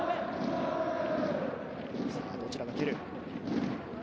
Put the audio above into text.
どちらが蹴る？